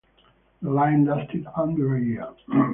The line lasted under a year.